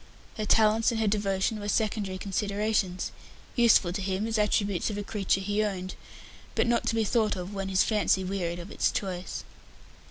Her talents and her devotion were secondary considerations useful to him as attributes of a creature he owned, but not to be thought of when his fancy wearied of its choice.